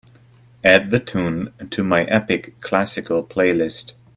Add the tune to my Epic Classical playlist.